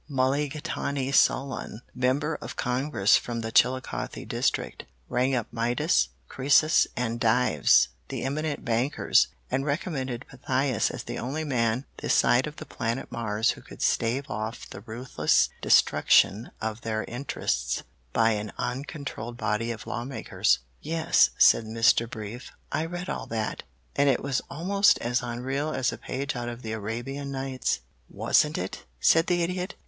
Mulligatawny Solon, Member of Congress from the Chillicothe District, rang up Midas, Croesus, and Dives, the eminent bankers, and recommended Pythias as the only man this side of the planet Mars who could stave off the ruthless destruction of their interests by an uncontrolled body of lawmakers." "Yes," said Mr. Brief. "I read all that, and it was almost as unreal as a page out of the Arabian Nights." "Wasn't it!" said the Idiot.